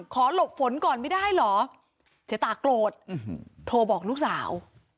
หลบฝนก่อนไม่ได้เหรอเจ๊ตาโกรธโทรบอกลูกสาว